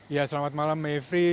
ya selamat malam mevri